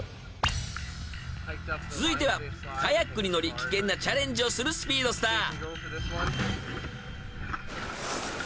［続いてはカヤックに乗り危険なチャレンジをするスピードスター］